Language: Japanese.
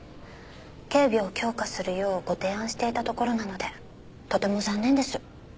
警備を強化するようご提案していたところなのでとても残念です。